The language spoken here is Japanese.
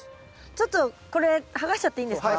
ちょっとこれ剥がしちゃっていいんですか？